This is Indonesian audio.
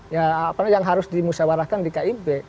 ya apa yang harus dimusyawarakan di kib